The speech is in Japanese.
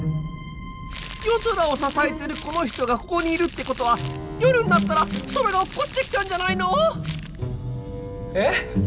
夜空を支えてるこの人がここにいるってことは夜になったら空が落っこちてきちゃうんじゃないの？え！？